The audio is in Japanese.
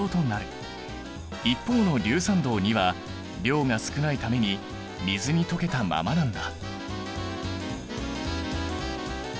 一方の硫酸銅は量が少ないために水に溶けたままなんだ。